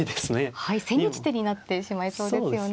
はい千日手になってしまいそうですよね。